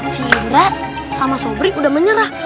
si indra sama sobrik udah menyerah